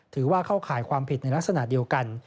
ถือว่าเข้าข่ายความผิดในลักษณะเดียวกัน